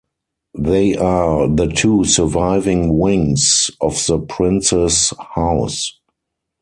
They are the two surviving wings of the Prince's House.